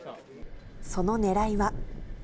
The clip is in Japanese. そのねらいは。